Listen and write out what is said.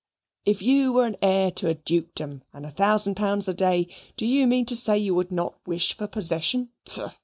If you were heir to a dukedom and a thousand pounds a day, do you mean to say you would not wish for possession?